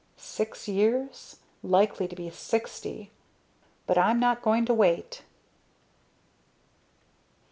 "Six years? Likely to be sixty! But I'm not going to wait!"